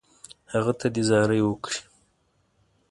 هغه ته یې زارۍ وکړې.